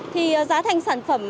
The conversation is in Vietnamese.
thì giá thành sản phẩm